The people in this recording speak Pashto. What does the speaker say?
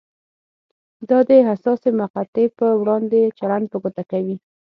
دا د حساسې مقطعې پر وړاندې چلند په ګوته کوي.